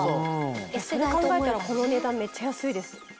それ考えたらこの値段めっちゃ安いです。